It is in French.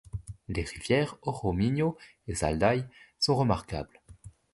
Les rivières Oromiño et Zaldai sont remarquables.